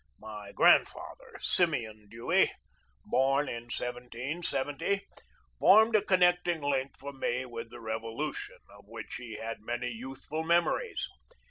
My grandfather, Simeon Dewey, born in 1770, formed a connecting link for me with the Rev olution, of which he had many youthful memories.